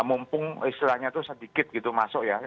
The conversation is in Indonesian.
mumpung istilahnya itu sedikit gitu masuk ya